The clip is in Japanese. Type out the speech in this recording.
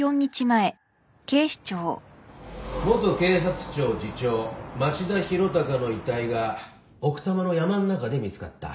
元警察庁次長町田博隆の遺体が奥多摩の山の中で見つかった。